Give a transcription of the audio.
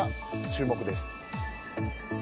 注目です。